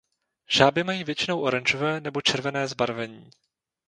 Žáby mají většinou oranžové nebo červené zbarvení.